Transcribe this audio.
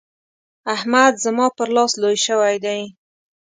احمد زما پر لاس لوی شوی دی.